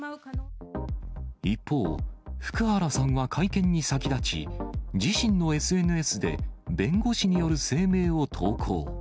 一方、福原さんは会見に先立ち、自身のＳＮＳで弁護士による声明を投稿。